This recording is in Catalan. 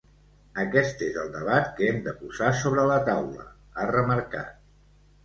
Aquest és el debat que hem de posar sobre la taula, ha remarcat.